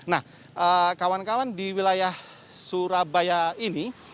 nah kawan kawan di wilayah surabaya ini